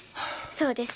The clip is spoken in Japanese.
そうです